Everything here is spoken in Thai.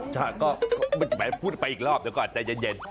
ใช่ก็แบบว่าพูดไปอีกรอบแต่ก็อาจจะเย็น